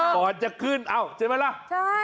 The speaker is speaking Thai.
ก่อนจะขึ้นเอ้าใช่ไหมล่ะใช่